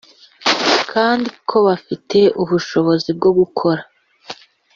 kandi ko bafite ubushobozi bwo gukora